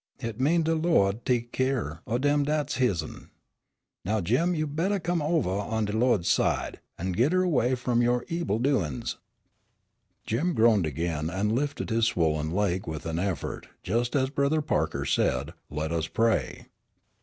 Hit mean de Lawd tek keer o' dem dat's his'n. Now Jim, you bettah come ovah on de Lawd's side, an' git erway f'om yo' ebil doin's." Jim groaned again, and lifted his swollen leg with an effort just as Brother Parker said, "Let us pray."